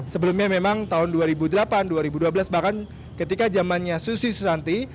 sebelumnya memang tahun dua ribu delapan dua ribu dua belas bahkan ketika zamannya susi susanti